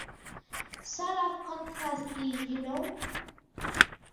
Sort of contrasty, you know?